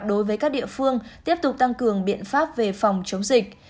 đối với các địa phương tiếp tục tăng cường biện pháp về phòng chống dịch